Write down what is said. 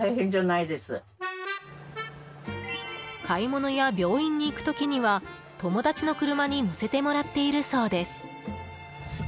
買い物や病院に行く時には友達の車に乗せてもらっているそうです。